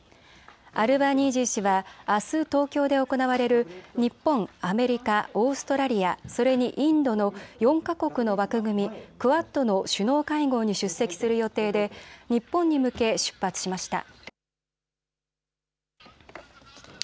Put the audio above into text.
アルバニージー氏はあす東京で行われる日本、アメリカ、オーストラリア、それにインドの４か国の枠組み、クアッドの首脳会合に出席する予定で日本に向け出発しました。